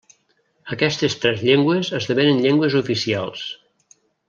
Aquestes tres llengües esdevenen llengües oficials.